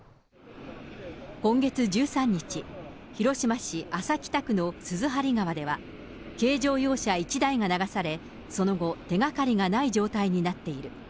今月１３日、広島市安佐北区の鈴張川では、軽乗用車１台が流され、その後、手がかりがない状態になっている。